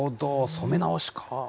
染め直しかー。